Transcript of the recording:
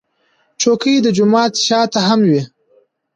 چوکۍ د جومات شا ته هم وي.